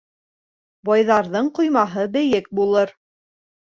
Байҙарҙың ҡоймаһы бейек булыр